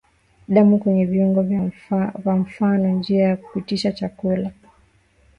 Damu kwenye viungo kwa mfano njia ya kupitisha chakula